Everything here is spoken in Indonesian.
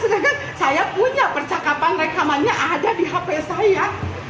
sedangkan saya punya percakapan rekamannya ada di hp saya